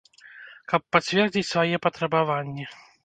Каб пацвердзіць свае патрабаванні.